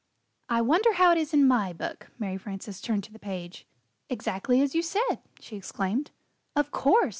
"I wonder how it is in my book." Mary Frances turned to the page. "Exactly as you said!" she exclaimed. "Of course!"